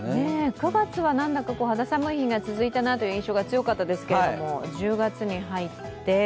９月はなんだか肌寒い日が続いたなという印象が強かったですけど１０月に入って。